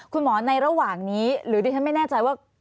คุณหมอในระหว่างนี้หรือดิฉันไม่แน่ใจว่า